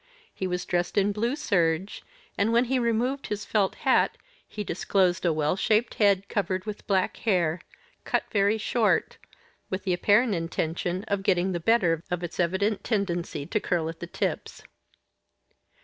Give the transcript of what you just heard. He was dressed in blue serge, and when he removed his felt hat he disclosed a well shaped head covered with black hair, cut very short, with the apparent intention of getting the better of its evident tendency to curl at the tips.